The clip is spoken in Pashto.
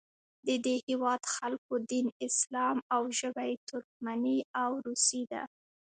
د دې هیواد خلکو دین اسلام او ژبه یې ترکمني او روسي ده.